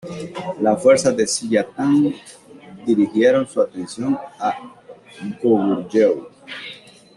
Las fuerzas de Silla-Tang dirigieron su atención a Goguryeo.